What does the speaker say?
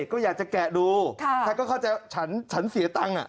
ก็อยากจะแกะดูถ้าก็เข้าใจฉันฉันเสียตังค์